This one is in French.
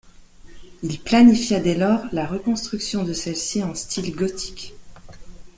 Il planifia dès lors la reconstruction de celle-ci en style gothique.